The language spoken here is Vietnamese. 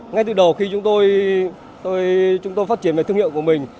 ngay từ đầu khi chúng tôi phát triển về thương hiệu của mình